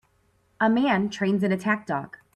A man trains an attack dog.